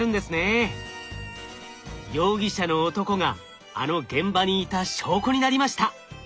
容疑者の男があの現場にいた証拠になりました。